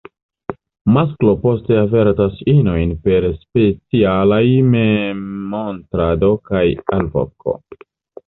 Masklo poste avertas inojn per specialaj memmontrado kaj alvoko.